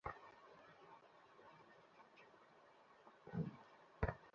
পেশাগত কাজে দক্ষতা বাড়ানোর দিকে লক্ষ রেখে চললে এসব সমস্যা কমে যাবে।